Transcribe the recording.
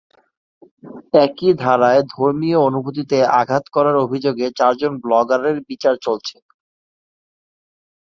একই ধারায় ধর্মীয় অনুভূতিতে আঘাত করার অভিযোগে চারজন ব্লগারের বিচার চলছে।